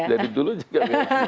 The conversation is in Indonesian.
dari dulu juga